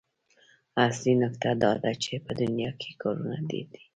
اصلي نکته دا ده چې په دنيا کې کارونه ډېر دي.